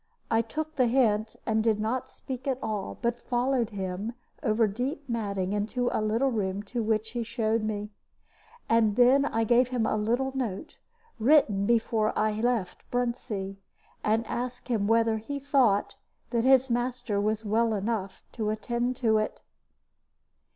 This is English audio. I took the hint, and did not speak at all, but followed him over deep matting into a little room to which he showed me. And then I gave him a little note, written before I left Bruntsea, and asked him whether he thought that his master was well enough to attend to it.